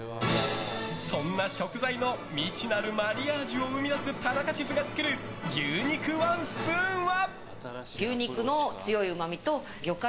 そんな食材の未知なるマリアージュを生み出す田中シェフが作る牛肉ワンスプーンは？